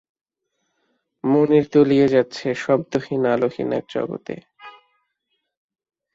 মুনির তুলিয়ে যাচ্ছে শব্দহীন আলোহীন এক জগতে!